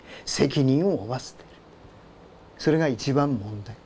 それが一番問題。